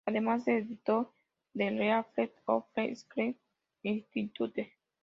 Además de editor de "Leaflets of the Schlechter Institute".